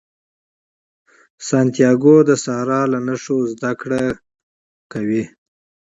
سانتیاګو د صحرا له نښو زده کړه کوي.